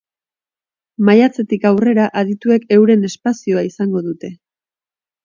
Maiatzetik aurrera, adituek euren espazioa izango dute.